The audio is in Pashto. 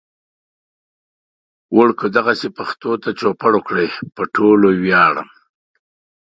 وړکو دغسې پښتو ته چوپړ وکړئ. پو ټولو وياړم